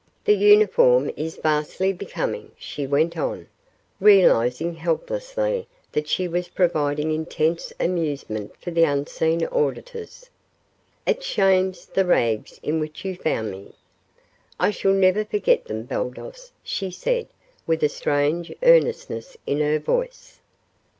"The uniform is vastly becoming," she went on, realizing helplessly that she was providing intense amusement for the unseen auditors. "It shames the rags in which you found me." "I shall never forget them, Baldos," she said, with a strange earnestness in her voice.